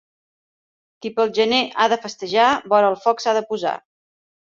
Qui pel gener ha de festejar, vora el foc s'ha de posar.